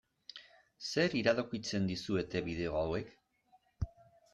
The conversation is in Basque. Zer iradokitzen dizuete bideo hauek?